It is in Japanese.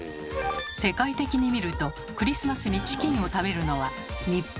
世界的に見るとクリスマスにチキンを食べるのは日本